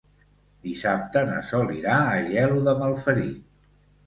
Dissabte na Sol irà a Aielo de Malferit.